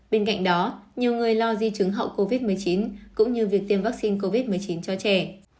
bên cạnh đó nhiều người lo di chứng hậu covid một mươi chín cũng như việc tiêm vaccine covid một mươi chín cho trẻ